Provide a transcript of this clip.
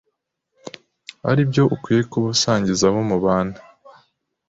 ari byo ukwiye kuba usangiza abo mubana,